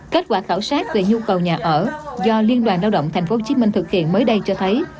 kết quả khảo sát về nhu cầu nhà ở do liên đoàn lao động tp hcm thực hiện mới đây cho thấy